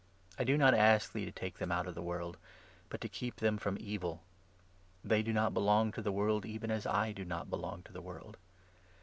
I do not ask 15 thee to take them out of the world, but to keep them from Evil. They do not belong 16 to the world, even as I do not belong to the world.